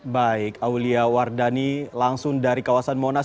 baik aulia wardani langsung dari kawasan monas